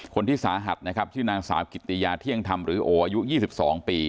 คนที่สาหัสนะครับชื่อนางสาวกิตติยาเที่ยงธรรมหรือโออายุ๒๒ปี